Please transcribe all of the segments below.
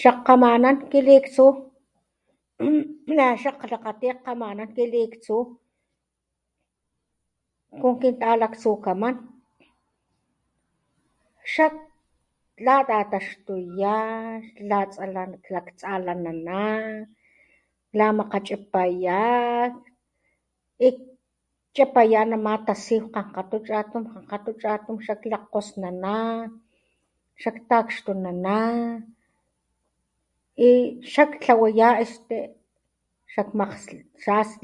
Xakjkgamanan kiliktsu na xakkgakgati jkgamanan kiliktsu con kintalaktsukaman xak latataxtuya xlatsalani, klaktsalanana lamakgachipaya y kchapaya nama tasiw kgankgatu chatum, kgankgatu chatum xak klajkgosnana xak ktakxtunana y xak tlawaya este xakmas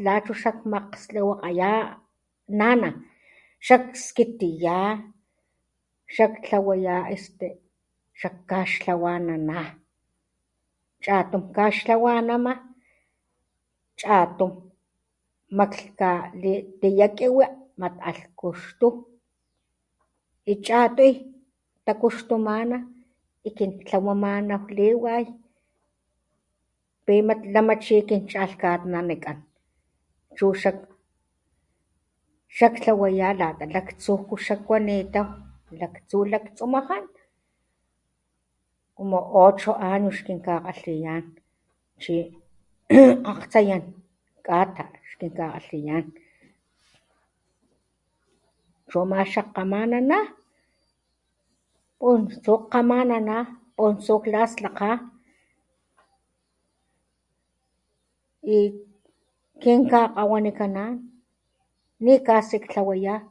la achu xakgkmastlawakgaya nana' xakskitiya xak ktlawaya este xak kaxtlawanana chatum kaxtlawanama chatum maklhkalitiya kiwi mat alh kuxtu y chatuy takuxtumana y kin tlawamanaw liway pi mat lama chi kin cha'lhkatnenekan chu xak xak tlawaya chu xak tlawaya lata laktsu laktsu laktsumajan como ocho año ixkinkakgalhiyan chi akgtsayan kata xkinkakgalhiyan chuma xakkgamanana puntsu jkgamanana, puntsu klaslakga y kinkakgawanikanan ni casi ktlawaya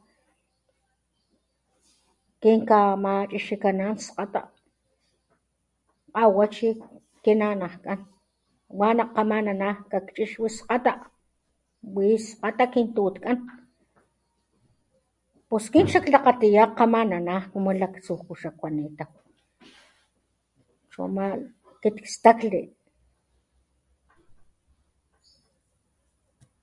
kinkamachixikanan sgata kgawa chi kinanajkan wana jkgamana kakchixwi sgata wi skgata kin tutkan pus kin xak klakatiya jkgamana como laktsujku xak kuanitaw chuma kit kstakli.